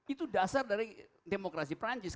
itu dasar dari demokrasi perancis